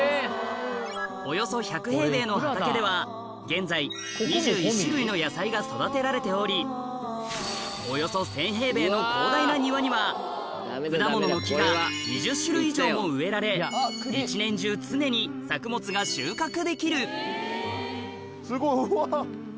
およそ１００平米の畑では現在２１種類の野菜が育てられておりおよそ１０００平米の広大な庭には果物の木が２０種類以上も植えられ一年中常に作物が収穫できるすごいうわ。